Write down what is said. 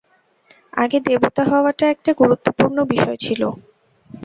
আগে দেবতা হওয়াটা একটা গুরুত্বপূর্ণ বিষয় ছিল।